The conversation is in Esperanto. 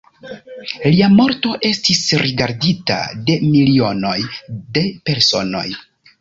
Lia morto estis rigardita de milionoj de personoj.